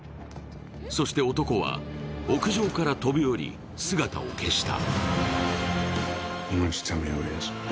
そして男は屋上から飛び降り、姿を消した。